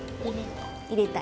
入れたい。